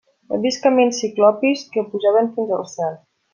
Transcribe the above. He vist camins ciclopis que pujaven fins al cel.